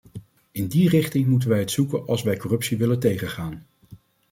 In die richting moeten wij het zoeken als wij corruptie willen tegengaan.